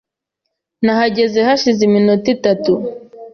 Nahageze hashize iminsi itatu.